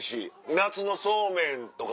夏のそうめんとか。